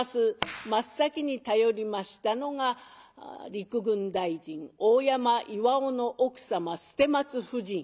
真っ先に頼りましたのが陸軍大臣大山巌の奥様捨松夫人。